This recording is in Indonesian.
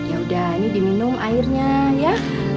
ya udah ini diminum airnya ya